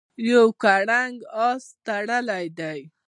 یو کرنګ آس تړلی دی.